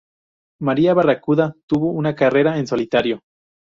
María Barracuda tuvo una carrera en solitario.